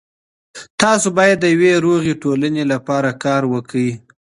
تاسو باید د یوې روغې ټولنې لپاره کار وکړئ.